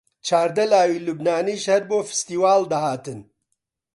چاردە لاوی لوبنانیش هەر بۆ فستیواڵ دەهاتن